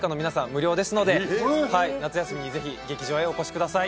無料ですので夏休みにぜひ劇場へお越しください